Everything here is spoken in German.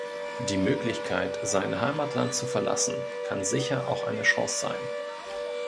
Die Möglichkeit, sein Heimatland zu verlassen, kann sicher auch eine Chance sein.